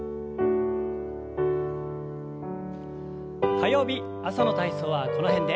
火曜日朝の体操はこの辺で。